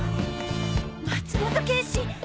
・松本警視！